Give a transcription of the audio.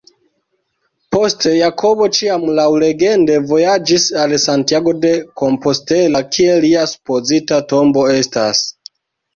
Poste, Jakobo ĉiam laŭlegende vojaĝis al Santiago de Compostela kie lia supozita tombo estas.